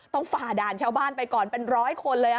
ฝ่าด่านชาวบ้านไปก่อนเป็นร้อยคนเลย